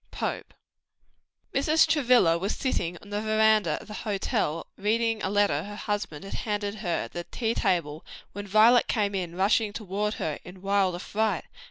POPE. Mrs. Travilla was sitting on the veranda of the hotel, reading a letter her husband had handed her at the tea table, when Violet came rushing toward her in wild affright.